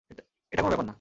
এটা কোন ব্যাপার না।